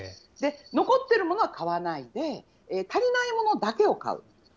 残っているものは買わないで、足りないものだけを買う。